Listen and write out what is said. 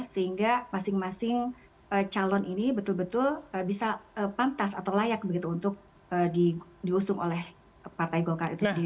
sehingga masing masing calon ini betul betul bisa pantas atau layak begitu untuk diusung oleh partai golkar itu sendiri